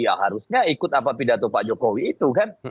ya harusnya ikut apa pidato pak jokowi itu kan